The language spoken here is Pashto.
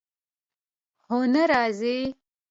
هوا نه راځي